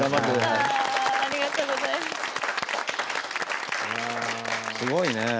すごいね。